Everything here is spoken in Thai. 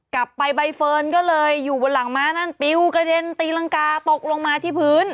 ใบเฟิร์นก็เลยอยู่บนหลังม้านั่นปิวกระเด็นตีรังกาตกลงมาที่พื้น